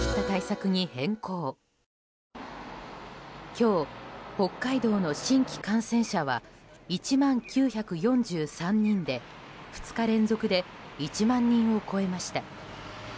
今日、北海道の新規感染者は１万９４３人で２日連続で１万人を超えました。